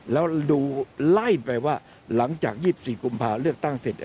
แล้วดูไล่ไปว่าหลังจาก๒๔กุมภาคมเลือกตั้งเสร็จ